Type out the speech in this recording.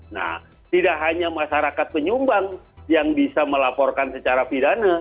nah tidak hanya masyarakat penyumbang yang bisa melaporkan secara pidana